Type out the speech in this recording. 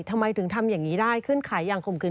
ทำไมถึงทำอย่างนี้ได้ขึ้นขายอย่างข่มขื